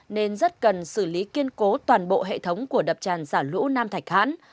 nên rất cần xử lý kiên cố toàn bộ hệ thống của đập tràn xả lũ nam thạch hãn